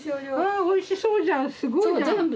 あおいしそうじゃんすごいじゃん。